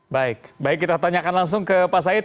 baik baik kita tanyakan langsung ke pak said